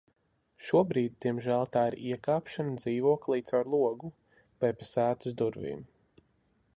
Šobrīd diemžēl tā ir iekāpšana dzīvoklī caur logu vai pa sētas durvīm.